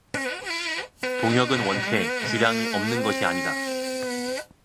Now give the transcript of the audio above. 동혁은 원체 주량이 없는 것이 아니다.